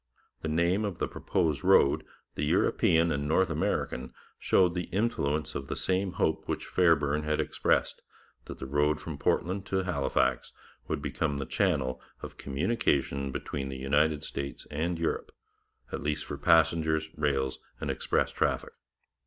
The name of the proposed road, the European and North American, showed the influence of the same hope which Fairbairn had expressed that the road from Portland to Halifax would become the channel of communication between the United States and Europe, at least for passengers, mails, and express traffic.